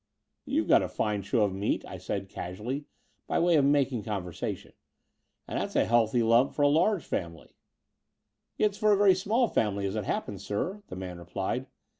"You've got a fine show of meat," I said casually by way of making conversation: and that's a healthy lump for a large family." "It's for a very small family, as it happens, sir," the man replied.